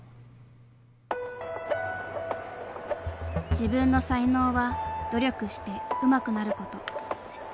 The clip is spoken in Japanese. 自分の才能は努力してうまくなること。